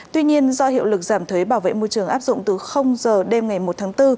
tuy nhiên do hiệu lực giảm thuế bảo vệ môi trường áp dụng từ giờ đêm ngày một tháng bốn